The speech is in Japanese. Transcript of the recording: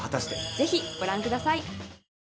ぜひご覧ください。